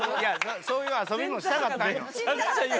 そういう遊びもしたかったんよ。